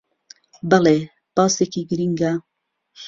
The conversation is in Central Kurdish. بەڵێ، باسێکی گرینگە